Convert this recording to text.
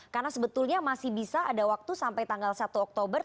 karena sebetulnya masih bisa ada waktu sampai tanggal satu oktober